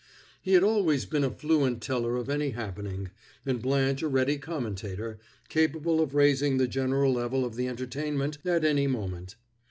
He had always been a fluent teller of any happening, and Blanche a ready commentator, capable of raising the general level of the entertainment at any moment.